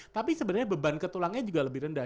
tapi sebenarnya beban ke tulangnya juga lebih rendah